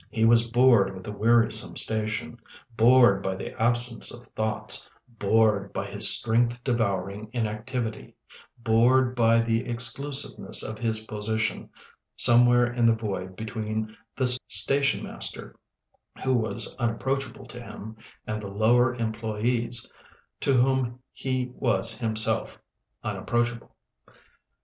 He was bored with the wearisome station, bored by the absence of thoughts, bored by his strength devouring inactivity, bored by the exclusiveness of his position, somewhere in the void between the station master, who was unapproachable to him, and the lower employés to whom he was himself unapproachable.